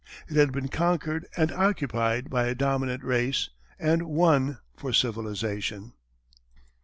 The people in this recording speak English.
It had been conquered and occupied by a dominant race, and won for civilization.